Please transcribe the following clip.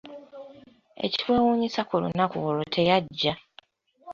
Ekikwewuunyisa ku lunaku olwo teyajja.